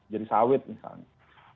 jadi sawit misalnya